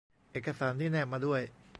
เอกสารที่แนบมาด้วย